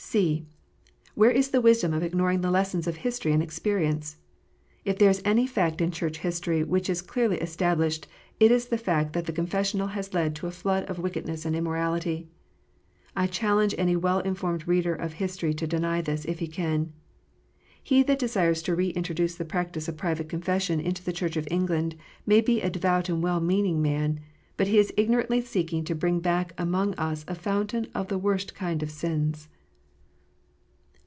(c) Where is the wisdom of ignoring the lessons of history and experience 1 If there is any fact in Church history which is clearly established, it is the fact that the confessional has led to a flood of wickedness and immorality. I challenge any well informed reader of history to deny this, if he can. He that desires to re introduce the practice of private confession into the Church of England may be a devout and well meaning man, but he is ignorantly seeking to bring back among us a fountain of the worst kind of sins.